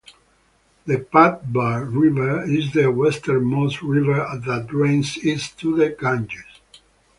The Pabbar River is the westernmost river that drains east to the Ganges.